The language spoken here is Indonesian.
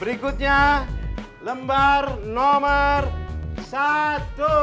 berikutnya lembar nomor satu